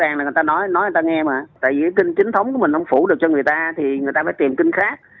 nếu mình không phủ được cho người ta thì người ta phải tìm kênh khác